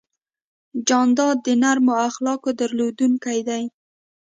جانداد د نرمو اخلاقو درلودونکی دی.